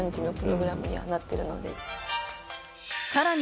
さらに